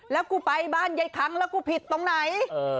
แล้วกูไปบ้านยายค้างแล้วกูผิดตรงไหน